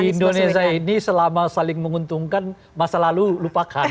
indonesia ini selama saling menguntungkan masa lalu lupakan